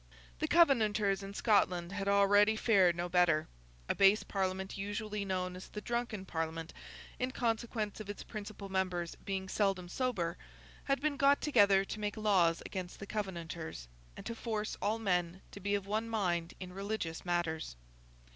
The Covenanters in Scotland had already fared no better. A base Parliament, usually known as the Drunken Parliament, in consequence of its principal members being seldom sober, had been got together to make laws against the Covenanters, and to force all men to be of one mind in religious matters.